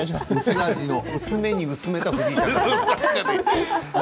薄めに薄めた、藤井君。